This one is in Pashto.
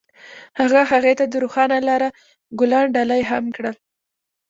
هغه هغې ته د روښانه لاره ګلان ډالۍ هم کړل.